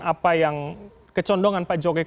apa yang kecondongan pak jokowi